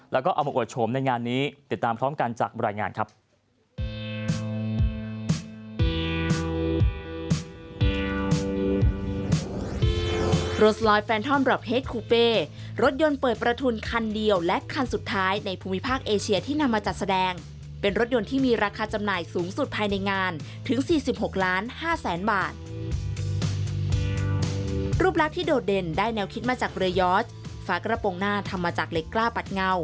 เอาหมู่กว่าชมในงานนี้ติดตามพร้อมกันจากบริหารงานครับ